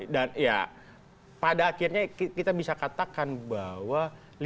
dan ya pada akhirnya kita bisa katakan bahwa